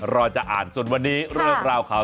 เล็บนู้นเลยหรอคะ